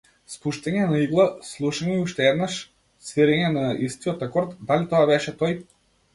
Спуштање на игла, слушање уште еднаш, свирење на истиот акорд, дали тоа беше тој?